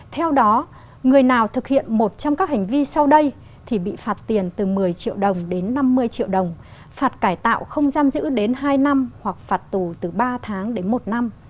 theo đó người nào thực hiện một trong các hành vi sau đây thì bị phạt tiền từ một mươi triệu đồng đến năm mươi triệu đồng phạt cải tạo không giam giữ đến hai năm hoặc phạt tù từ ba tháng đến một năm